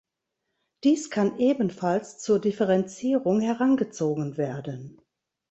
Dies kann ebenfalls zur Differenzierung herangezogen werden.